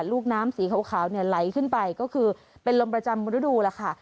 ลูกน้ำสีขาวเนี่ยไหลขึ้นไปก็คือเป็นลมประจำฤดูแล้วค่ะ